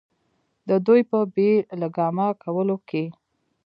د دوي پۀ بې لګامه کولو کښې